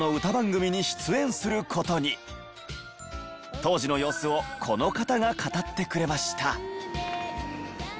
当時の様子をこの方が語ってくれました。